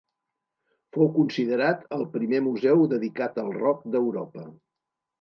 Fou considerat el primer museu dedicat al rock d'Europa.